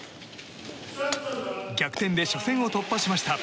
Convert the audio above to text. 逆転で初戦を突破しました。